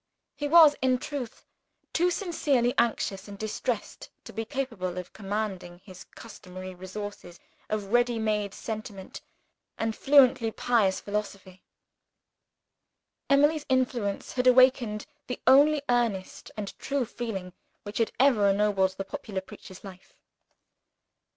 He was, in truth, too sincerely anxious and distressed to be capable of commanding his customary resources of ready made sentiment and fluently pious philosophy. Emily's influence had awakened the only earnest and true feeling which had ever ennobled the popular preacher's life.